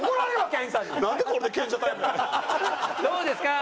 どうですか？